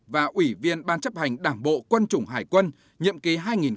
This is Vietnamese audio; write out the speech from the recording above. và ủy viên ban chấp hành đảng bộ quân chủng hải quân nhậm ký hai nghìn năm hai nghìn một mươi